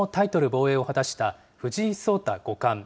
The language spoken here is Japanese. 防衛を果たした藤井聡太五冠。